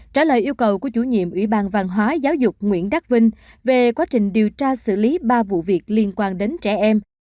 trả lời yêu cầu của chủ nhiệm ủy ban văn hóa giáo dục nguyễn đắc vinh về quá trình điều tra xử lý ba vụ việc liên quan đến trẻ em